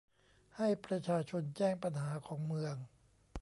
ให้ประชาชนแจ้งปัญหาของเมือง